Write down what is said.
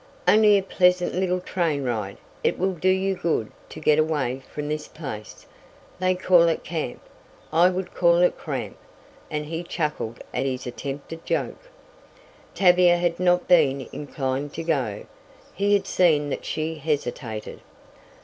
"Only a pleasant little train ride it will do you good to get away from this place. They call it camp I would call it 'cramp,'" and he chuckled at his attempted joke. Tavia had not been inclined to go. He had seen that she hesitated.